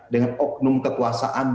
dengan oknum kekuasaan